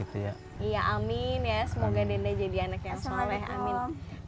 iya amin ya semoga denda jadi anak yang soleh amin